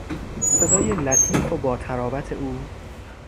صدای لطیف و با طراوت او